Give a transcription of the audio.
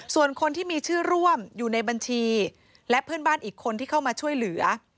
ส่วนคนที่มีชื่อร่วมอยู่ในบัญชีและเพื่อนบ้านอีกคนที่เข้ามาช่วยเหลือ